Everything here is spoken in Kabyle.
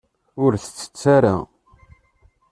Ur tt-tett ara.